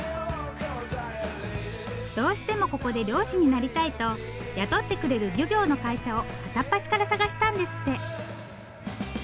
どうしてもここで漁師になりたいと雇ってくれる漁業の会社を片っ端から探したんですって。